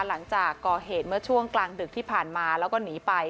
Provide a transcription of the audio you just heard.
หลังจากก่อเหตุเมื่อช่วงกลางดึกที่ผ่านมาแล้วก็หนีไป